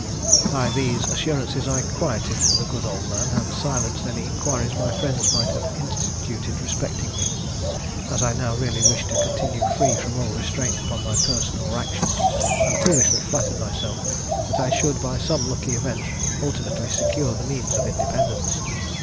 By these assurances I quieted the good old man, and silenced any inquiries my friends might have instituted respecting me; as I now really wished to continue free from all restraint upon my person or actions, and foolishly flattered myself that I should, by some lucky event, ultimately secure the means of independence.